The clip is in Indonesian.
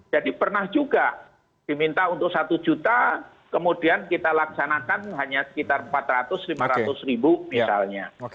jadi pernah juga diminta untuk satu juta kemudian kita laksanakan hanya sekitar empat ratus lima ratus ribu misalnya